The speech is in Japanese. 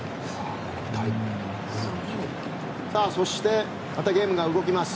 そしてまたゲームが動きます。